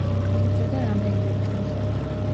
იბრძოდა რამდენიმე ფრონტზე.